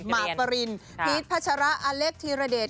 มาปะรินพีชพัชระอาเล็กทีระเด็ด